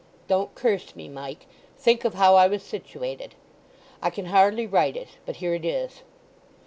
Don't curse me Mike—think of how I was situated. I can hardly write it, but here it is.